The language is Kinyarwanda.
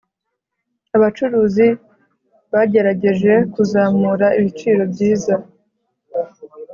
abacuruzi bagerageje kuzamura ibiciro byiza